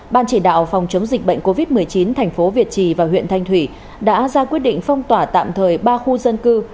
ban chỉ đạo phòng chống dịch bệnh covid một mươi chín thành phố việt trì và huyện thanh thủy đã ra quyết định phong tỏa tạm thời ba khu dân cư